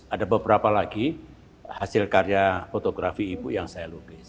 ada beberapa lagi hasil karya fotografi ibu yang saya lukis